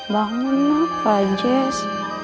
bangun apa jessy